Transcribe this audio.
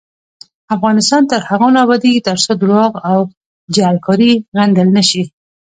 افغانستان تر هغو نه ابادیږي، ترڅو درواغ او جعلکاری غندل نشي.